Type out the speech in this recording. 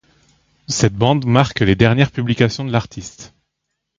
Cette bande marque les dernières publications de l’artiste.